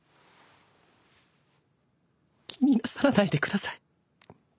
気になさらないでください。